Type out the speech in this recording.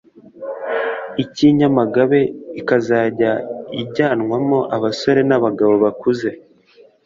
icy’i Nyamagabe ikazajya ijyanwamo abasore n’abagabo bakuze